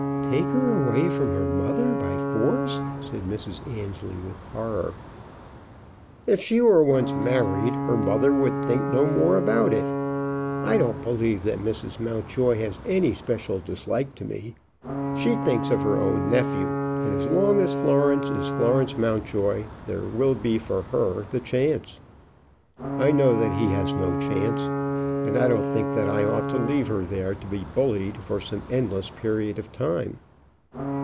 "Take her away from her mother by force?" said Mrs. Annesley, with horror. "If she were once married her mother would think no more about it. I don't believe that Mrs. Mountjoy has any special dislike to me. She thinks of her own nephew, and as long as Florence is Florence Mountjoy there will be for her the chance. I know that he has no chance; and I don't think that I ought to leave her there to be bullied for some endless period of time.